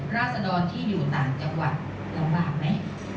ราศดรที่อยู่ต่างจังหวัดลำบากไหม